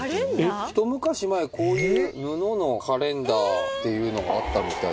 ひと昔前こういう布のカレンダーっていうのがあったみたいで。